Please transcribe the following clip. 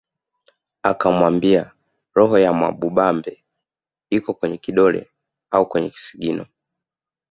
Akamwambia roho ya Mwamubambe iko kwenye kidole au kwenye kisigino